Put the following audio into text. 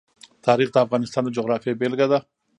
تاریخ د افغانستان د جغرافیې بېلګه ده.